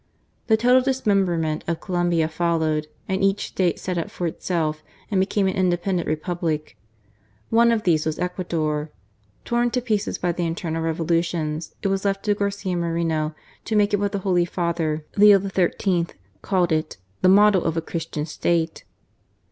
The total dismemberment of Colombia followed, and each State set up for itself and became an independent Republic. One of these was Ecuador. Torn to pieces by internal revolutions,, it was left to Garcia Moreno to make it what the Holy Father Leo XHL called it: the model of a Christian State.